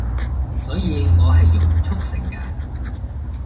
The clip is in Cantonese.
所以我係用速成嘅